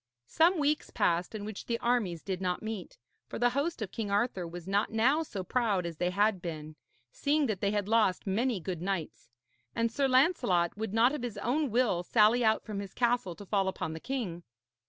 Some weeks passed in which the armies did not meet; for the host of King Arthur was not now so proud as they had been, seeing that they had lost many good knights; and Sir Lancelot would not of his own will sally out from his castle to fall upon the king.